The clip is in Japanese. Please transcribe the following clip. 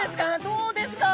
どうですか？